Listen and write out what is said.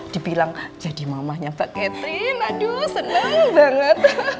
dibilang jadi mamanya mbak catherine aduh seneng banget